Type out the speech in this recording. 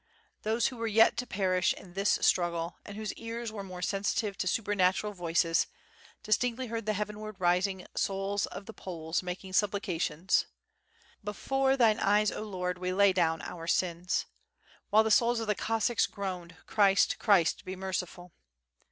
Those who were yet to perish in this struggle and whose ears wore more sensitive to supernatural voices, distinctly heard the heaven ward rising souls of the Poles making supplications "Before Thine eyes, 0 Lord! we lay down our sins,'' while the souls of the Cossacks groaned "Christ, Christ, be merciful.''